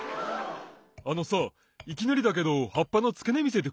あのさいきなりだけどはっぱのつけねみせてくれる？